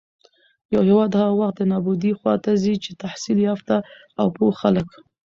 يـو هېـواد هـغه وخـت د نـابـودۍ خـواتـه ځـي چـې تحـصيل يافتـه او پـوه خلـک